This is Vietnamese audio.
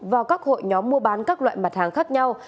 vào các hội nhóm mua bán các loại mặt hàng khác nhau